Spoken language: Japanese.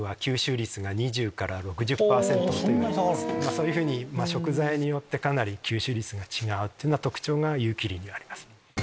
そういうふうに食材によってかなり吸収率が違うって特徴が有機リンにはあります。